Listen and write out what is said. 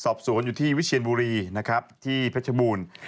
ศอบสวนอยู่ที่วิชีองบูรีที่เพชรบูรณ์